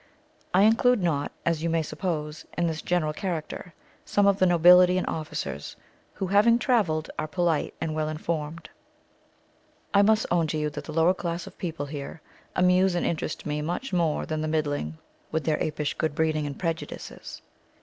I include not, as you may suppose, in this general character, some of the nobility and officers, who having travelled, are polite and well informed. I must own to you that the lower class of people here amuse and interest me much more than the middling, with their apish good breeding and prejudices.